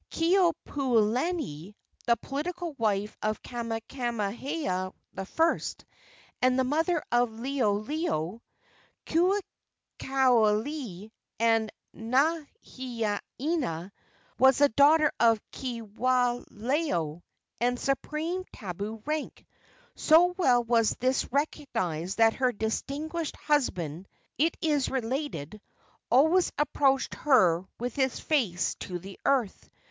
Keopuolani, the political wife of Kamehameha I., and the mother of Liholiho, Kauikeaouli and Nahienaena, was the daughter of Kiwalao, and of supreme tabu rank. So well was this recognized that her distinguished husband, it is related, always approached her with his face to the earth.